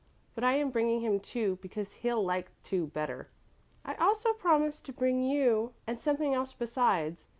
But I am bringing him two because he'll like two better. I also promised to bring you and something else besides.